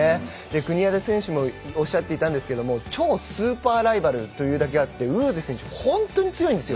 国枝選手もおっしゃっていたんですが超スーパーライバルというだけあってウーデ選手、本当に強いんですよ